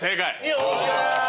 よっしゃ！